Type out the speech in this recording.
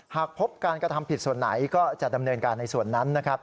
หากพบการกระทำผิดส่วนไหนก็จะดำเนินการในส่วนนั้นนะครับ